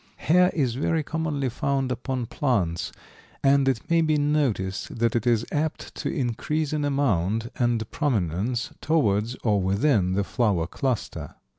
Hair is very commonly found upon plants, and it may be noticed that it is apt to increase in amount and prominence towards or within the flower cluster.